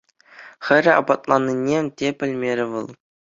Хӗрӗ аппатланнине те пӗлмерӗ вӑл.